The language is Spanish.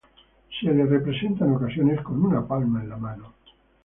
Se lo representa en ocasiones con una palma en la mano.